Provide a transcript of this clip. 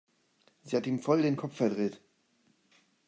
Sie hat ihm voll den Kopf verdreht.